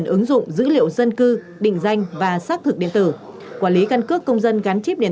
ứng dụng dữ liệu dân cư định danh và xác thực điện tử quản lý căn cước công dân gắn chip điện